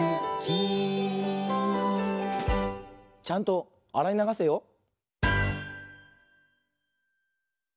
「ちゃんとあらいながせよ」